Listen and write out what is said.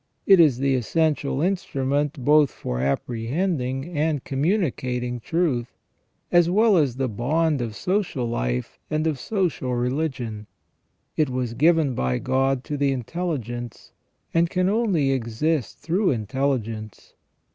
It is the essential instrument both for apprehending and communicating truth, as well as the bond of social life and of social religion. It was given by God to the intelligence, and can only exist through intelligence.